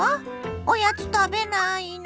おやつ食べないの？